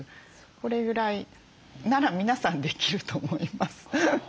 これぐらいなら皆さんできると思います。